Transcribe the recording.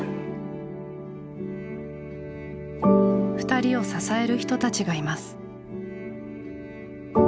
２人を支える人たちがいます。